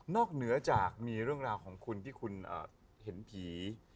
เหนือจากมีเรื่องราวของคุณที่คุณเห็นผี